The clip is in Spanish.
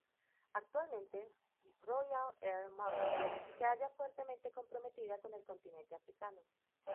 Actualmente Royal Air Maroc se halla fuertemente comprometida con el continente africano.